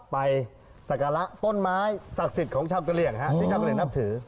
ไปสการะต้นไม้ศักดิ์สิทธิ์ของเจ้าเกลี่ยงที่เจ้าเกลี่ยงนับถือ